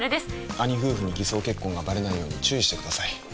兄夫婦に偽装結婚がバレないように注意してください